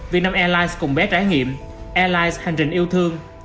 việt nam airlines cùng bé trải nghiệm airlines hành trình yêu thương